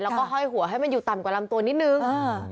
แล้วก็ห้อยหัวให้มันอยู่ต่ำกว่าลำตัวนิดนึง